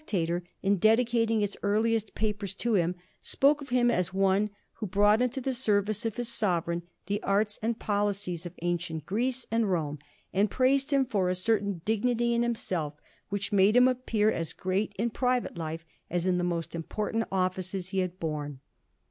tator/ in dedicating its earliest papers to him, spoke of him as one who brought into the service of his sovereign the arts and policies of ancient Greece and Rome, and praised him for a certain dignity in him self which made him appear as great in private life as in the most important offices he had borne.